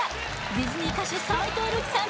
ディズニー歌手斎藤瑠希さん